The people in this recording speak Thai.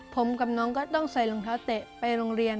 ผมกับน้องก็ต้องใส่รองเท้าเตะไปโรงเรียน